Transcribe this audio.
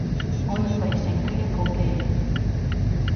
我以為剩得一個嘅